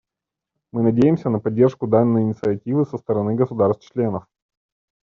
Мы надеемся на поддержку данной инициативы со стороны государств-членов.